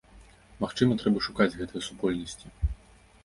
Магчыма, трэба шукаць гэтыя супольнасці.